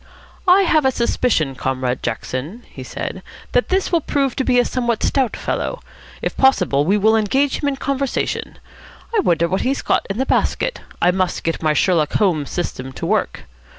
"I have a suspicion, Comrade Jackson," he said, "that this will prove to be a somewhat stout fellow. If possible, we will engage him in conversation. I wonder what he's got in the basket. I must get my Sherlock Holmes system to work.